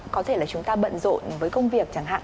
có thể là chúng ta bận rộn với công việc chẳng hạn